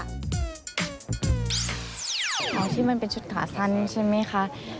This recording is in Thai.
ของที่มันเป็นชุดขาสั้นใช่ไหมคะ